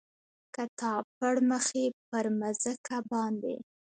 کتاب پړمخې پر مځکه باندې،